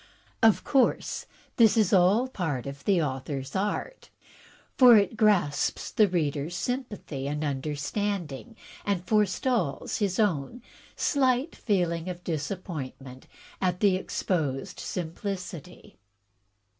Of course this is all part of the author's art, for it grasps the reader's sympathy and understanding, and forestalls his own slight feeling of disappointment at the exposed sim plicity.